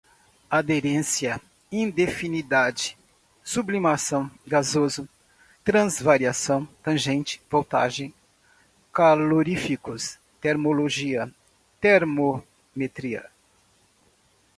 aderência, indefinidade, sublimação, gasoso, transvariação, tangente, voltagem, caloríficos, termologia, termometria